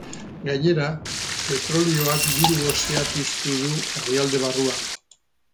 Gainera, petrolioak diru-gosea piztu du herrialde barruan.